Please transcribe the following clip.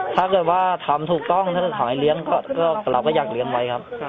ถ้าเกิดว่าทำถูกต้องถ้าเกิดขอให้เลี้ยงเราก็อยากเลี้ยงไว้ครับ